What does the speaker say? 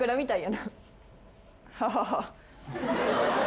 ハハハ。